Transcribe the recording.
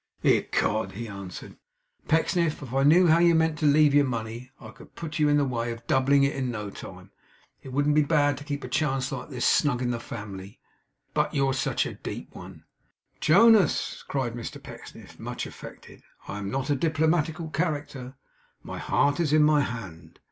'Ecod!' he answered. 'Pecksniff if I knew how you meant to leave your money, I could put you in the way of doubling it in no time. It wouldn't be bad to keep a chance like this snug in the family. But you're such a deep one!' 'Jonas!' cried Mr Pecksniff, much affected, 'I am not a diplomatical character; my heart is in my hand.